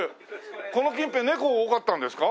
この近辺猫が多かったんですか？